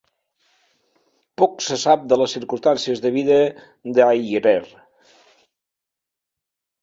Poc se sap de les circumstàncies de vida d'Ayrer.